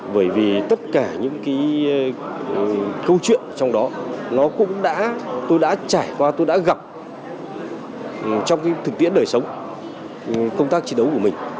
bởi vì tất cả những câu chuyện trong đó tôi đã trải qua tôi đã gặp trong thực tiễn đời sống công tác chiến đấu của mình